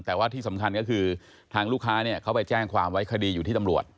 แต่ว่าที่สำคัญก็คือทางลูกค้าเนี่ยเขาไปแจ้งความไว้คดีอยู่ที่ตำรวจ